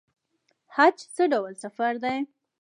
حج څه ډول سفر دی؟